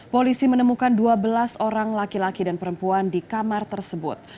polisi menemukan dua belas orang laki laki dan perempuan di kamar tersebut